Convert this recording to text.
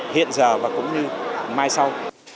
hiện giờ và cũng như mai sau